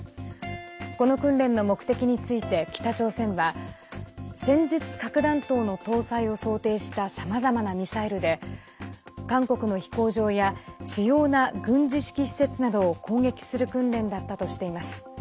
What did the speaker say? この訓練の目的について北朝鮮は戦術核弾頭の搭載を想定したさまざまなミサイルで韓国の飛行場や主要な軍事指揮施設などを攻撃する訓練だったとしています。